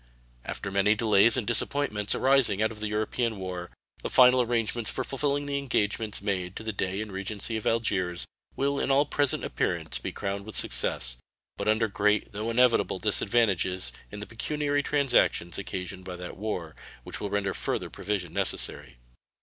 After many delays and disappointments arising out of the European war, the final arrangements for fulfilling the engagements made to the Dey and Regency of Algiers will in all present appearance be crowned with success, but under great, though inevitable, disadvantages in the pecuniary transactions occasioned by that war, which will render further provision necessary.